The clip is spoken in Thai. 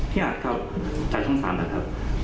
พี่อาจครับ